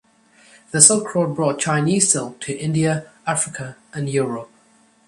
The Silk Road brought Chinese silk to India, Africa, and Europe.